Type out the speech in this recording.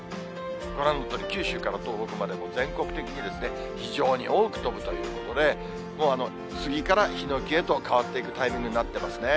ご覧のとおり、九州から東北までもう全国的に、非常に多く飛ぶということで、もう、スギからヒノキへと変わっていくタイミングになってますね。